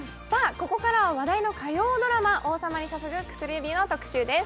ここからは話題の火曜ドラマ「王様に捧ぐ薬指」の特集です